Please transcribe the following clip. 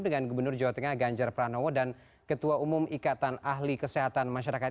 dengan gubernur jawa tengah ganjar pranowo dan ketua umum ikatan ahli kesehatan masyarakat